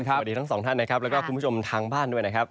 สวัสดีทั้งสองท่านและคุณผู้ชมทางบ้านด้วยนะครับ